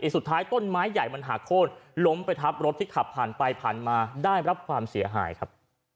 สุดท้ายต้นไม้ใหญ่มันหักโค้นล้มไปทับรถที่ขับผ่านไปผ่านมาได้รับความเสียหายครับ